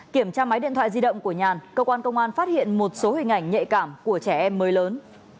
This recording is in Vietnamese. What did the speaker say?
kiểm tra máy điện thoại di động của nhàn cơ quan công an phát hiện một số hình ảnh nhạy cảm của trẻ em mới lớn